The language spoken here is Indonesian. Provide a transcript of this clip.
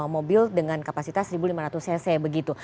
mobil dengan kapasitas seribu lima ratus cc begitu